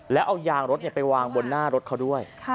แล้วเอายางรถไปวางบนหน้ารถเขาด้วย